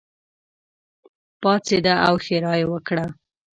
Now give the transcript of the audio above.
پاڅېده او ښېرا یې وکړه.